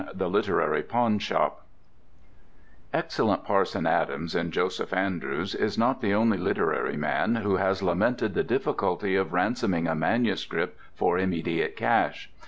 THE LITERARY PAWNSHOP Excellent Parson Adams, in "Joseph Andrews," is not the only literary man who has lamented the difficulty of ransoming a manuscript for immediate cash.